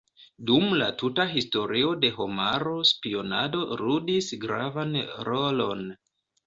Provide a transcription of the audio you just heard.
Dum la tuta Historio de homaro spionado ludis gravan rolon.